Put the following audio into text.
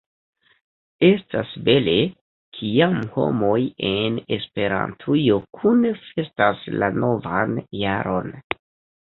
Estas bele, kiam homoj en Esperantujo kune festas la novan jaron.